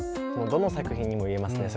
どの作品にも言えますね